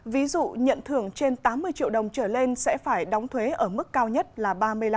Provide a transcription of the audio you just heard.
ví dụ nhận thưởng trên tám mươi triệu đồng trở lên sẽ phải đóng thuế ở mức cao nhất là ba mươi năm